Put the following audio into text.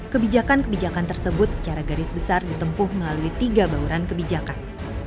kebijakan kebijakan tersebut secara garis besar ditempuh melalui tiga bauran kebijakan